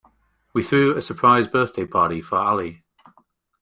We threw a surprise birthday party for Ali.